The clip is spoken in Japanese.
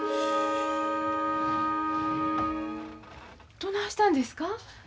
どないしたんですか？